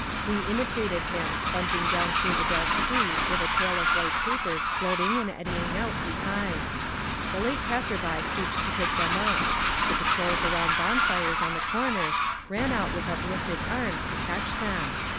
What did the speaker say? We imitated him, plunging down through the dark street with a tail of white papers floating and eddying out behind. The late passerby stooped to pick them up; the patrols around bonfires on the corners ran out with uplifted arms to catch them.